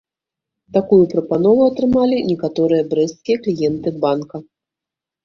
Такую прапанову атрымалі некаторыя брэсцкія кліенты банка.